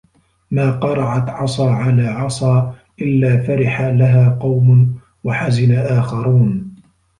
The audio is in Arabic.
مَا قَرَعْت عَصَا عَلَى عَصَا إلَّا فَرِحَ لَهَا قَوْمٌ وَحَزِنَ آخَرُونَ